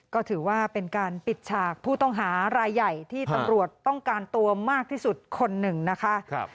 ก็ถือว่าเป็นการปิดฉากผู้ต้องหารายใหญ่ที่ตำรวจต้องการตัวมากที่สุดคนหนึ่งนะคะ